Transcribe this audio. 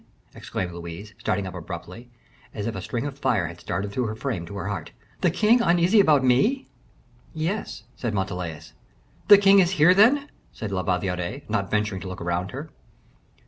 exclaimed Louise, starting up abruptly, as if a stream of fire had started through her frame to her heart; "the king uneasy about me?" "Yes," said Montalais. "The king is here, then?" said La Valliere, not venturing to look round her.